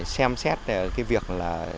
xem xét cái việc là